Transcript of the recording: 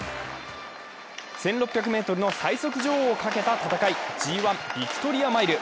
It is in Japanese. １６００ｍの最速女王をかけた戦い、ＧⅠ・ヴィクトリアマイル。